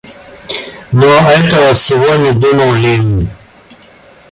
Но этого всего не думал Левин.